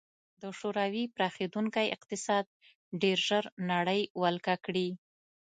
د شوروي پراخېدونکی اقتصاد ډېر ژر نړۍ ولکه کړي